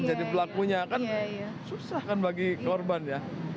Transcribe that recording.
jadi pelakunya kan susah kan bagi korban ya